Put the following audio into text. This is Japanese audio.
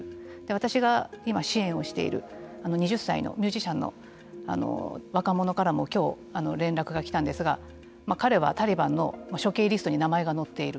私が今支援をしている２０歳のミュージシャンの若者からもきょう連絡が来たんですが彼はタリバンの処刑リストに名前が載っている。